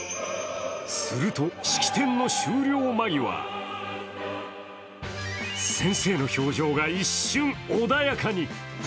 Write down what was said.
すると、式典の終了間際、先生の表情が一瞬穏やかに。